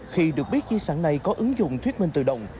khi được biết di sản này có ứng dụng thuyết minh tự động